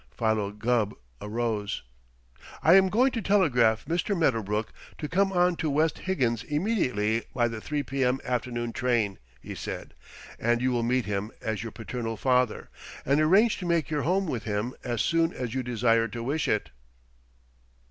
Philo Gubb arose. "I am going to telegraph Mr. Medderbrook to come on to West Higgins immediately by the three P.M. afternoon train," he said, "and you will meet him as your paternal father and arrange to make your home with him as soon as you desire to wish it."